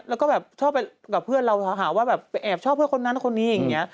แล้วก็แบบชอบไปกับเพื่อนเราหาว่าแบบไปแอบชอบเพื่อนคนนั้นคนนี้อย่างนี้